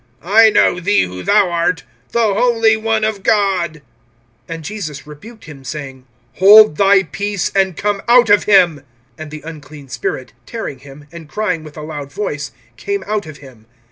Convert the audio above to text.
I know thee who thou art, the Holy One of God. (25)And Jesus rebuked him, saying: Hold thy peace, and come out of him. (26)And the unclean spirit, tearing him, and crying with a loud voice, came out of him.